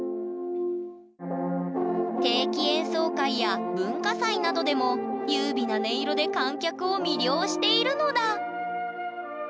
定期演奏会や文化祭などでも優美な音色で観客を魅了しているのだ。